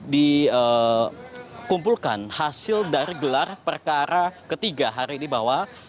dikumpulkan hasil dari gelar perkara ketiga hari ini bahwa